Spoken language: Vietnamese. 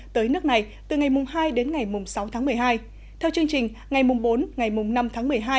tới nước này từ ngày hai đến ngày sáu tháng một mươi hai theo chương trình ngày bốn ngày năm tháng một mươi hai